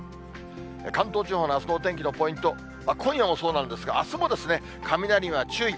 関東地方のあすの天気のポイント、今夜もそうなんですが、あすも雷には注意。